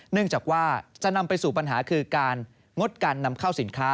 เนื่องจากว่าจะนำไปสู่ปัญหาคือการงดการนำเข้าสินค้า